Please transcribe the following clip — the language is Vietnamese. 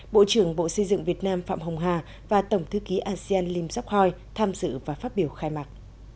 bộ trưởng bộ xây dựng việt nam phạm hồng hà và tổng thư ký asean lim jokhoi tham dự và phát biểu khai mạc